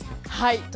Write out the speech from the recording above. はい。